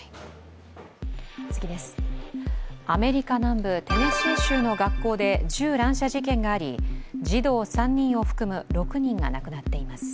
アメリカ南部テネシー州の学校で銃乱射事件があり、児童３人を含む６人が亡くなっています。